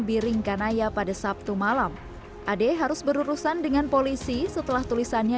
biring kanaya pada sabtu malam ade harus berurusan dengan polisi setelah tulisannya